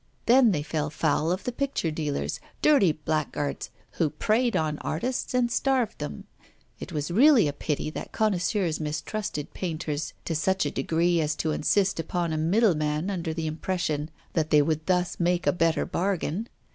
Then they fell foul of the picture dealers, dirty black guards, who preyed on artists and starved them. It was really a pity that connoisseurs mistrusted painters to such a degree as to insist upon a middleman under the impression that they would thus make a better bargain.